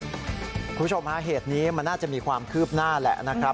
คุณผู้ชมฮะเหตุนี้มันน่าจะมีความคืบหน้าแหละนะครับ